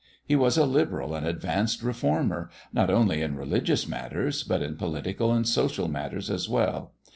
He was a liberal and advanced reformer, not only in religious matters, but in political and social matters as well.